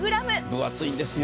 分厚いんですよ。